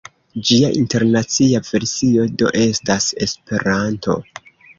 Ĝia internacia versio do estas Esperanto.